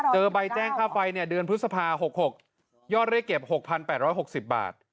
เจอใบแจ้งค่าไฟเดือนพฤษภา๖๖บาทยอดเลขเก็บ๖๘๖๐บาท